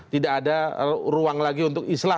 tidak ada ruang lagi untuk islah